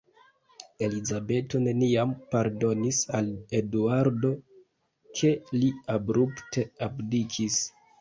Elizabeto neniam pardonis al Eduardo, ke li abrupte abdikis.